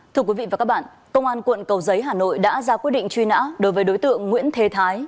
thưa quý vị và các bạn công an quận cầu giấy hà nội đã ra quyết định truy nã đối với đối tượng nguyễn thế thái